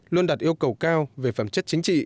luôn đặt yêu cầu cao về phẩm chất chính trị